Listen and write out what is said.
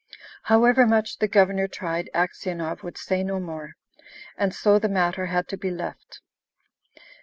However much the Governor tried, Aksionov would say no more, and so the matter had to be left.